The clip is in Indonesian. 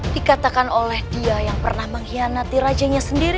dikatakan oleh dia yang pernah mengkhianati rajanya sendiri